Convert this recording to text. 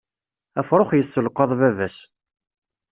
Afrux yisselqaḍ baba-s.